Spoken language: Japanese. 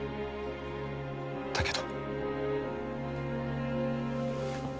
だけど。